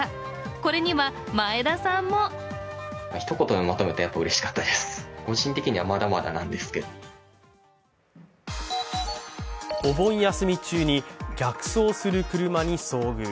これには前田さんもお盆休み中に逆走する車に遭遇。